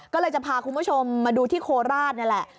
ก็เลยจะพาคุณผู้ชมมาดูที่โคราชนี่แหละ